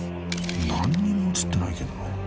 ［何にも映ってないけどな］